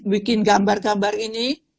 bikin gambar gambar ini